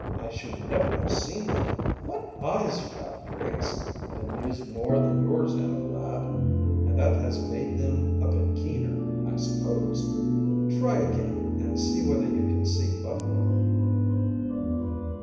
I should never have seen them. What eyes you have, Griggs!" "Been used more than yours have, lad, and that has made them a bit keener, I suppose. Try again, and see whether you can see buffalo."